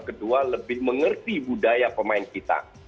kedua lebih mengerti budaya pemain kita